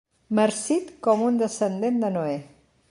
Marcit com un descendent de Noé.